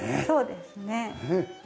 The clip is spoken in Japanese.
そうですね。